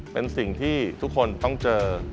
เป็นสิ่งที่ทุกคนต้องเจอ